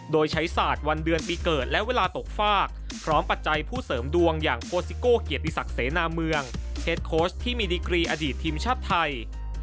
โดยใช้ศาสตร์วันเดือนปีเกิดและเวลาตกฟากพร้อมปัจจัยผู้เสริมดวงอย่างโกซิโก้เกียรติศักดิ์เสนาเมืองเฮดโค้ชที่มีดีกรีอดีตทีมชาติไทย